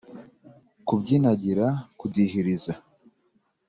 kubyinagira, kudihiriza